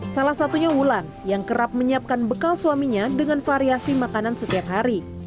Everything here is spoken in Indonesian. salah satunya wulan yang kerap menyiapkan bekal suaminya dengan variasi makanan setiap hari